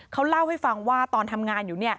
เขาเล่าให้ฟังว่าตอนทำงานอยู่